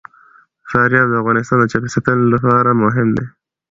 فاریاب د افغانستان د چاپیریال ساتنې لپاره مهم دي.